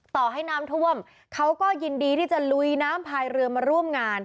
ต่อให้น้ำท่วมเขาก็ยินดีที่จะลุยน้ำพายเรือมาร่วมงาน